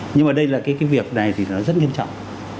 nhưng mà đây là cái việc này thì nó rất nghiêm trọng